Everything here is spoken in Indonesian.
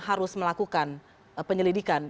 harus melakukan penyelidikan